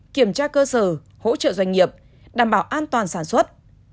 kiểm tra cơ sở hỗ trợ doanh nghiệp đảm bảo an toàn sản xuất